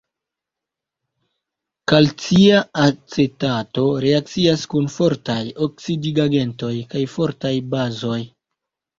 Kalcia acetato reakcias kun fortaj oksidigagentoj kaj fortaj bazoj.